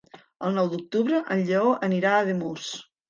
El nou d'octubre en Lleó anirà a Ademús.